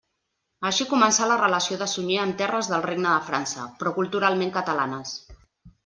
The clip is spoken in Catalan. Així començà la relació de Sunyer amb terres del regne de França, però culturalment catalanes.